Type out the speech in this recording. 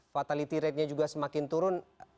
fatality ratenya juga semakin turun